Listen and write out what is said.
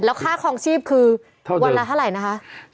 ค่าคลองชีพคือวันละเท่าไหร่นะคะ